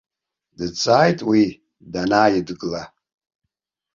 Дҵааит уи данааидгыла.